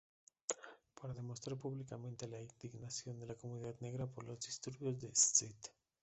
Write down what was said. Para demostrar públicamente la indignación de la comunidad negra por los disturbios de St.